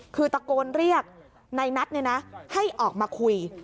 คือตะโกนเรียกในนัทให้ออกมาคุย